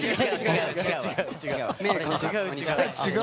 違う、違う。